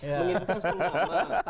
mengirimkan sepuluh nama